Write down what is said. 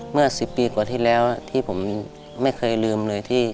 เมื่อ๑๐ปีกว่าที่แล้วที่ผมไม่เคยลืมเลย